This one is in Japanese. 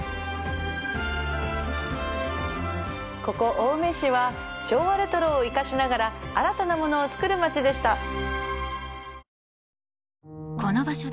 ここ青梅市は昭和レトロを生かしながら新たなものを作るまちでした